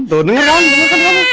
tuh denger kan